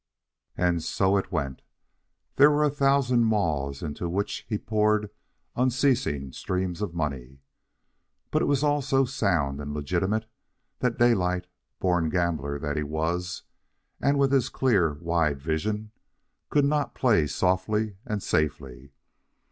And so it went. There were a thousand maws into which he poured unceasing streams of money. But it was all so sound and legitimate, that Daylight, born gambler that he was, and with his clear, wide vision, could not play softly and safely.